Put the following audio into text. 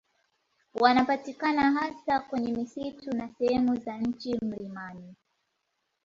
Wanapatikana hasa kwenye misitu na sehemu za chini mlimani